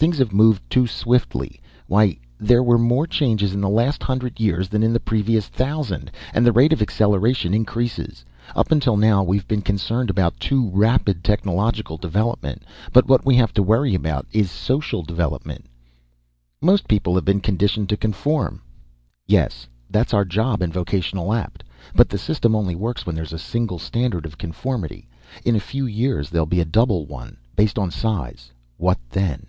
Things have moved too swiftly. Why, there were more changes in the last hundred years than in the previous thousand! And the rate of acceleration increases. Up until now, we've been concerned about too rapid technological development. But what we have to worry about is social development." "Most people have been conditioned to conform." "Yes. That's our job in Vocational Apt. But the system only works when there's a single standard of conformity. In a few years there'll be a double one, based on size. What then?"